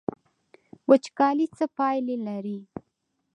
وچکالي څه پایلې لري؟